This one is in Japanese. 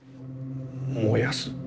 燃やす？